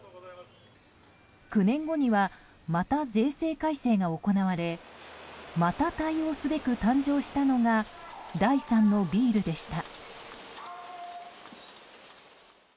９年後にはまた税制改正が行われまた対応すべく誕生したのが第三のビールでした。